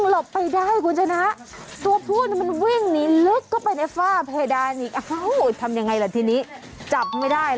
๑๒แล้วก็๘ครับ